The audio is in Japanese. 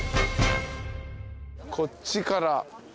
こっちから。